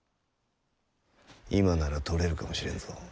今なら取れるかもしれんぞ。